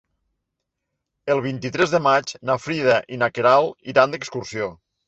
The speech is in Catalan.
El vint-i-tres de maig na Frida i na Queralt iran d'excursió.